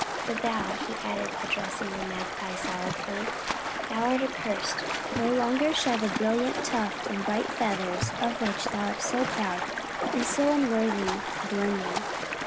But thou," He added, addressing the Magpie sorrowfully, "thou art accursed. No longer shall the brilliant tuft and bright feathers of which thou art so proud and so unworthy adorn thee.